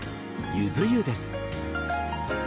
ゆず湯です。